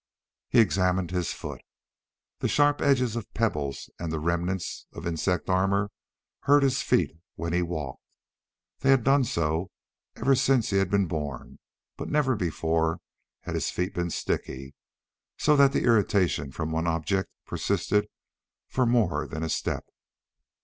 He examined his foot. The sharp edges of pebbles and the remnants of insect armor hurt his feet when he walked. They had done so ever since he had been born, but never before had his feet been sticky, so that the irritation from one object persisted for more than a step.